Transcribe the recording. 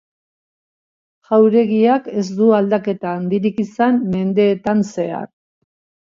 Jauregiak ez du aldaketa handirik izan mendeetan zehar.